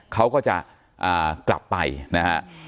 เขาก็จะกลับไปนะครับ